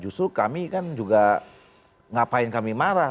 justru kami kan juga ngapain kami marah